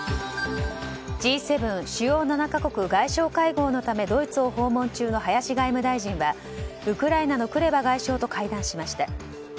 Ｇ７・主要７か国外相会合のためドイツを訪問中の林外務大臣はウクライナのクレバ外相と会談しました。